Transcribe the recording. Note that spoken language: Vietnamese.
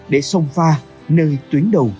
để song pha nơi tuyến đầu